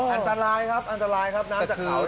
อันตรายครับอันตรายครับน้ำจากเกาะด้วยนะ